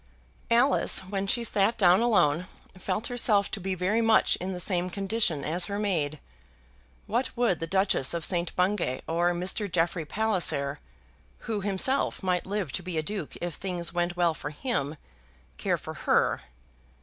Alice, when she sat down alone, felt herself to be very much in the same condition as her maid. What would the Duchess of St. Bungay or Mr. Jeffrey Palliser, who himself might live to be a duke if things went well for him, care for her?